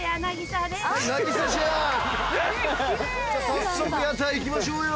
早速屋台行きましょうよ。